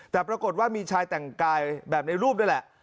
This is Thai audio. แต่ปรากฏว่ามีชายแต่งกายแบบในรูปนี่แหละ